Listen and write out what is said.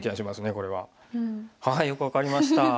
これは。よく分かりました。